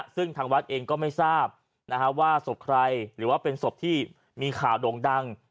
ซึ่งทางวัดเองก็ไม่ทราบว่าศพใครหรือว่าเป็นศพที่มีข่าวโด่งดัง